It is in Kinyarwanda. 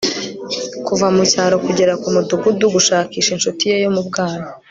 kuva mucyaro kugera kumudugudu gushakisha inshuti ye yo mu bwana